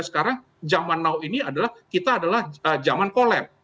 sekarang zaman now ini adalah kita adalah zaman kolab